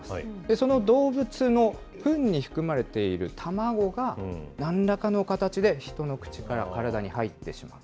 その動物のふんに含まれている卵がなんらかの形で人の口から体に入ってしまう。